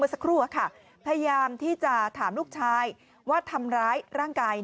สักครู่ค่ะพยายามที่จะถามลูกชายว่าทำร้ายร่างกาย